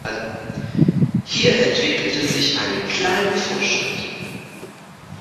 Hier entwickelte sich eine kleine Vorstadt.